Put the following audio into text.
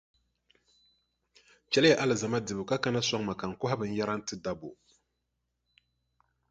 Chɛliya alizama dibu ka kana sɔŋ ma ka n kɔhi binyɛra n-ti Debo.